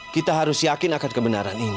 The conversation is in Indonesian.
kita harus yakin akan kebenaran ini